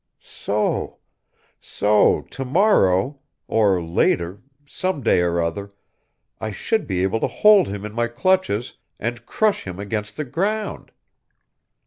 So ... so ... to morrow ... or later ... some day or other ... I should be able to hold him in my clutches and crush him against the ground!